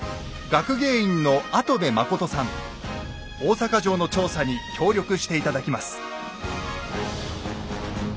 大坂城の調査に協力して頂きます。